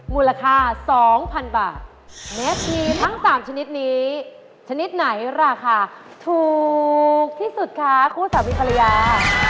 มูลค่าสองพันบาทแมทมีทั้งสามชนิดนี้ชนิดไหนราคาถูกที่สุดคะคู่สามีภรรยา